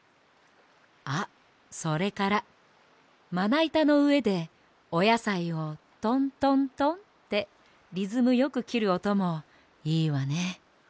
あっそれからまないたのうえでおやさいをトントントンってリズムよくきるおともいいわね。